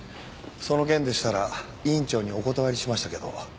その件でしたら院長にお断りしましたけど。